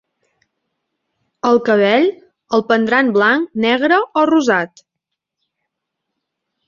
El cabell, el prendran blanc, negre o rosat?